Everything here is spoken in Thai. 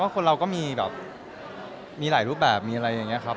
คนเราก็มีแบบมีหลายรูปแบบมีอะไรอย่างนี้ครับ